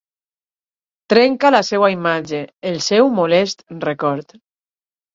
Trencar la seua imatge, el seu molest record.